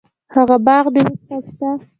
هغه باغ دې اوس هم شته.